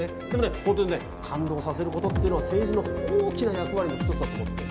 ほんとにね感動させることっていうのは政治の大きな役割の１つだと思ってる。